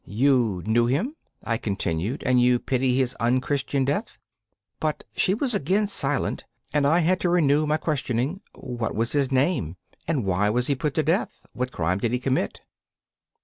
'You knew him?' I continued, 'and you pity his unchristian death?' But she was again silent, and I had to renew my questioning: 'What was his name, and why was he put to death? What crime did he commit?